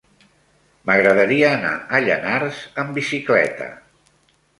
M'agradaria anar a Llanars amb bicicleta.